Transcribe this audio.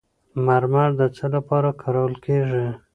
مرمر د څه لپاره کارول کیږي؟